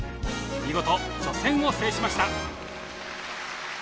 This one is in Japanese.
見事初戦を制しました。